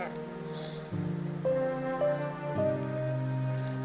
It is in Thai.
ตอนที่๘